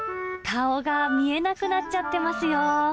顔が見えなくなっちゃってますよ。